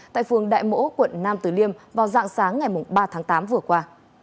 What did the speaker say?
tại phường đại mỗ quận nam tử liêm vào dạng sáng ngày ba tháng tám vừa qua